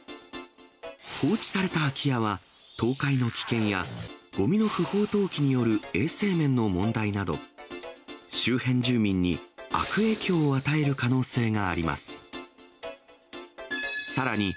放置された空き家は、倒壊の危険や、ごみの不法投棄による衛生面の問題など、周辺住民に悪影響を与える可能性があります。